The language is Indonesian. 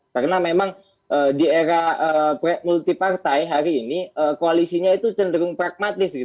karena memang di era multi partai hari ini koalisinya itu cenderung pragmatis